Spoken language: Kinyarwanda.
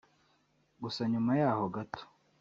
Gusa nyuma yaho gato